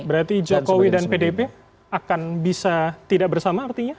berarti jokowi dan pdp akan bisa tidak bersama artinya